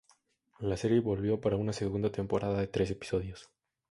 La serie volvió para una segunda temporada de trece episodios.